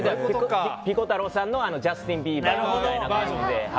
ピコ太郎さんのジャスティン・ビーバーみたいな。